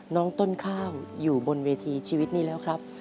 น้องต้นข้าวอยู่บนเวทีชีวิตนี้แล้วครับ